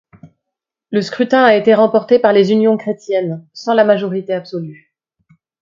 Le scrutin a été remporté par les Unions chrétiennes, sans la majorité absolue.